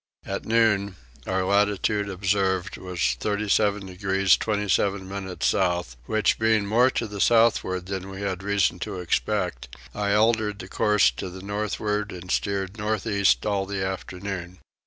At noon our latitude observed was 37 degrees 27 minutes south which, being more to the southward than we had reason to expect, I altered the course to the northward and steered north east all the afternoon.